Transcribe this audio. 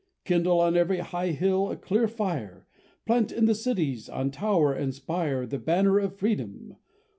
Kindle on every high hill a clear fire: Plant in the cities, on tower and spire, The banner of Freedom!